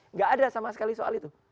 nggak ada sama sekali soal itu